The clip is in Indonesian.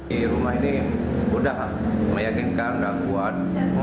di rumah ini sudah meyakinkan dan kuat